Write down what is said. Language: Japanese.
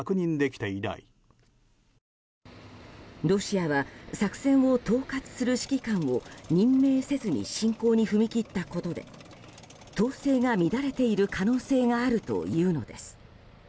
ロシアは作戦を統括する指揮官を任命せずに侵攻に踏み切ったことで統制が乱れている可能性があるというのです。